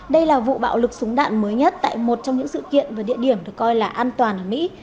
đây là vụ bạo lực súng đạn mới nhất tại một trong những sự kiện và địa điểm được coi là an toàn ở mỹ